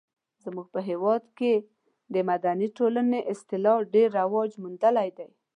زموږ په هېواد کې د مدني ټولنې اصطلاح ډیر رواج موندلی دی.